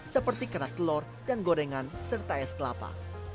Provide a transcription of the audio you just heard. seperti kerat telur dan gorengan serta es kelapa